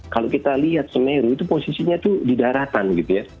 kalau kita lihat semeru itu posisinya itu di daratan gitu ya